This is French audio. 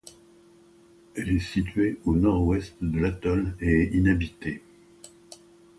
Elle est située au nord-ouest de l'atoll et est inhabitée.